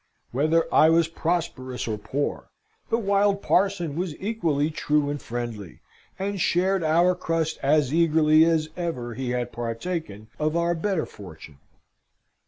Whether I was prosperous or poor, the wild parson was equally true and friendly, and shared our crust as eagerly as ever he had partaken of our better fortune.